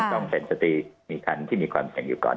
ต้องเป็นสติมีคันที่มีความเสี่ยงอยู่ก่อน